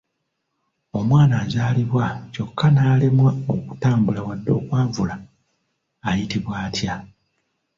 Omwana azaalibwa ky'okka n'alemwa okutambula wadde okwavula ayitibwa atya?